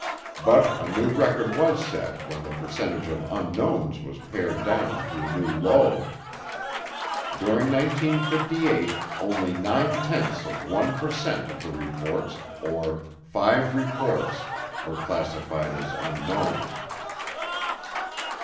But a new record was set when the percentage of unknowns was pared down to a new low. During 1958 only 9/10 of one per cent of the reports, or 5 reports, were classified as "unknown."